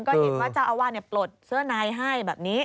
ก็เห็นว่าเจ้าอาวาสปลดเสื้อในให้แบบนี้